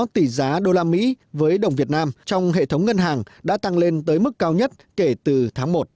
tỷ giá usd với đồng việt nam trong hệ thống ngân hàng đã tăng lên tới mức cao nhất kể từ tháng một